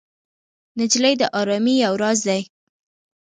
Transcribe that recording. نجلۍ د ارامۍ یو راز دی.